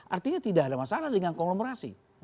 artinya tidak ada masalah dengan konglomerasi